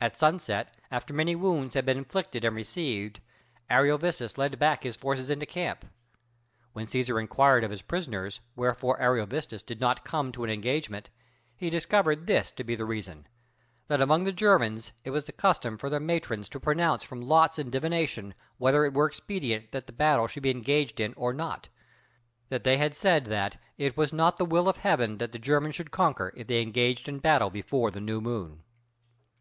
At sunset, after many wounds had been inflicted and received, Ariovistus led back his forces into camp. When Cæsar inquired of his prisoners wherefore Ariovistus did not come to an engagement, he discovered this to be the reason that among the Germans it was the custom for their matrons to pronounce from lots and divination whether it were expedient that the battle should be engaged in or not; that they had said that "it was not the will of heaven that the Germans should conquer, if they engaged in battle before the new moon."